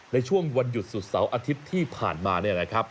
ในช่วงวันหยุดสุดเสาร์อาทิตย์ที่ผ่านมาเนี่ยนะครับ